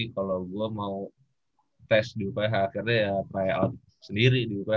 kalo gue mau tes di uph akhirnya ya tryout sendiri di uph